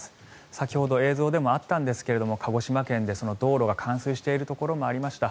先ほど映像でもあったんですが鹿児島県で道路が冠水しているところもありました。